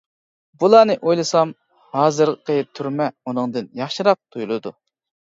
بۇلارنى ئويلىسام، ھازىرقى تۈرمە ئۇنىڭدىن ياخشىراق تۇيۇلىدۇ.